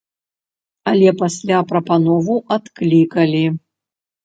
Але пасля прапанову адклікалі.